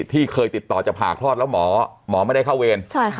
ที่เคยติดต่อจะผ่าคลอดแล้วหมอไม่ได้เข้าเวร